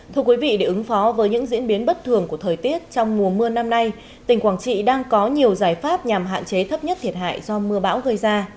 thưa quý vị để ứng phó với những diễn biến bất thường của thời tiết trong mùa mưa năm nay tỉnh quảng trị đang có nhiều giải pháp nhằm hạn chế thấp nhất thiệt hại do mưa bão gây ra